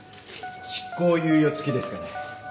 執行猶予付きですがね。